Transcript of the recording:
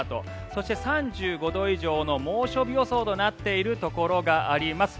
そして３５度以上の猛暑日予想となっているところがあります。